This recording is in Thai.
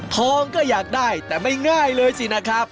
ทองก็อยากได้แต่ไม่ง่ายเลยสินะครับ